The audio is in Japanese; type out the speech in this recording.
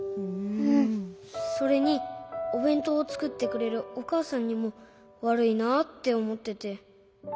それにおべんとうをつくってくれるおかあさんにもわるいなっておもってて。